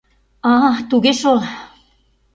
А-а... туге шол...